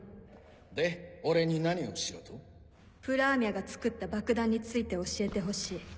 で俺に何をしろと？プラーミャが作った爆弾について教えてほしい。